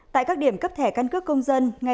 tại các điểm cấp thẻ căn cước công dân